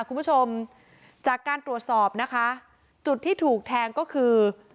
คุณผู้ชมจากการตรวจสอบนะคะจุดที่ถูกแทงก็คือ